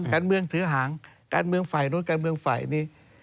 การเมืองถือหางการเมืองฝ่ายนู้นการเมืองฝ่ายนี้